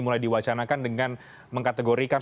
mulai diwacanakan dengan mengkategorikan